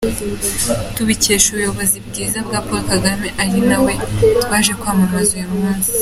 Tubikesha ubuyobozi bwiza bwa Paul Kagame, ari na we twaje kwamamaza uyu munsi.